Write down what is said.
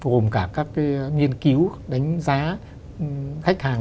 gồm cả các nghiên cứu đánh giá khách hàng